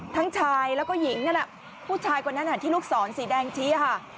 ทั้งชายและก็หญิงนั่นพูดชายกว่านั้นที่ลูกศรสีแดงชี้ครับ